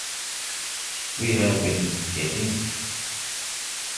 We have been chatting.